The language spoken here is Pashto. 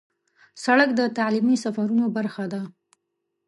سړک د تعلیمي سفرونو برخه ده.